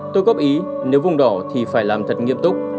tôi góp ý nếu vùng đỏ thì phải làm thật nghiêm túc